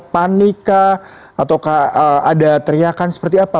panik kah atau ada teriakan seperti apa